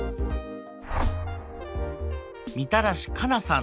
みたらし加奈さん。